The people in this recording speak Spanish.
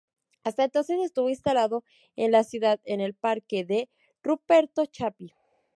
Hasta entonces estuvo instalado en la ciudad, en el Parque de Ruperto Chapí.